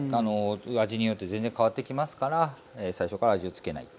味によって全然変わってきますから最初から味をつけない。